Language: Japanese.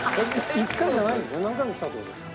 一回じゃないんですね？